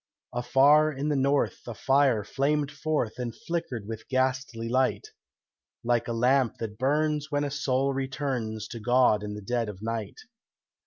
Afar in the north a fire flamed forth And flickered with ghastly light, Like a lamp that burns when a soul returns To God in the dead of night.